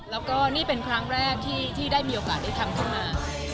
แล้วก็นี่เป็นครั้งแรกที่ได้มีโอกาสได้ทำขึ้นมา